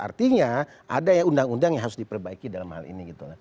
artinya ada ya undang undang yang harus diperbaiki dalam hal ini